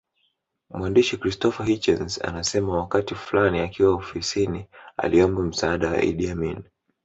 Mwandishi Christopher Hitchens anasema wakati fulani akiwa ofisini aliomba msaada wa Idi Amin